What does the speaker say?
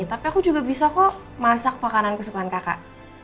tapi aku juga bisa kok masak makanan kesukaan kakak